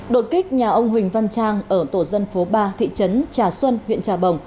đột kích nhà ông huỳnh văn trang ở tổ dân phố ba thị trấn trà xuân huyện trà bồng